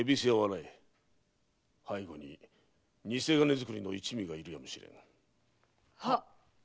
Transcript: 背後に偽金作りの一味がいるやもしれぬ。